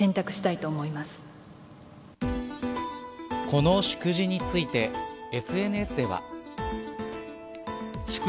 この祝辞についてＳＮＳでは。